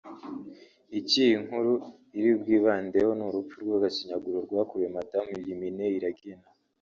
Icyo iyi nkuru iri bwibandeho ni urupfu rw’agashinyaguro rwakorewe madamu Illuminée Iragena